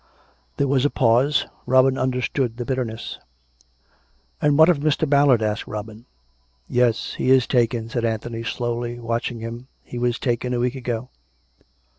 There was a pause. Robin understood the bitter ness. "And what of Mr. Ballard?" asked Robin. " Yes; he is taken," said Anthony slowly, watching him, " He was taken a week ago."